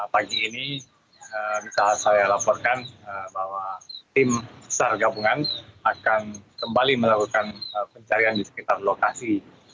pagi ini bisa saya laporkan bahwa tim sar gabungan akan kembali melakukan pencarian di sekitar lokasi